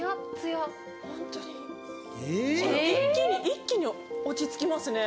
一気に落ち着きますね。